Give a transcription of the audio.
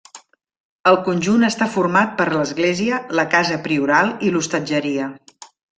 El conjunt està format per l'església, la casa prioral i l'hostatgeria.